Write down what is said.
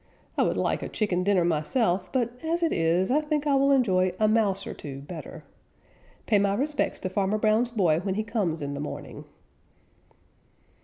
I would like a chicken dinner myself, but as it is, I think I will enjoy a Mouse or two better. Pay my respects to Farmer Brown's boy when he comes in the morning."